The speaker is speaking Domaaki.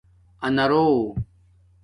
آنارݸ